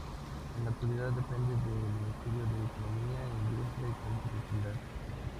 En la actualidad depende del Ministerio de Economía, Industria y Competitividad.